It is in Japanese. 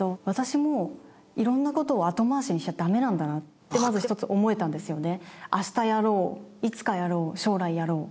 ってまず一つ思えたんですよね。